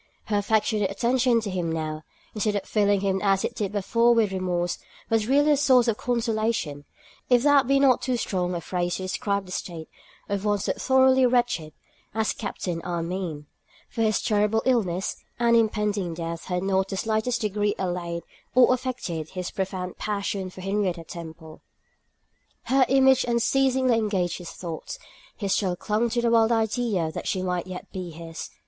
Her affectionate attention to him now, instead of filling him as it did before with remorse, was really a source of consolation, if that be not too strong a phrase to describe the state of one so thoroughly wretched as Captain Armine; for his terrible illness and impending death had not in the slightest degree allayed or affected his profound passion for Henrietta Temple. Her image unceasingly engaged his thoughts; he still clung to the wild idea that she might yet be his.